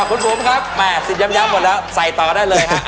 คุณขุมครับสิ่งย้ำหมดแล้วใส่ต่อได้เลย